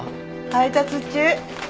配達中。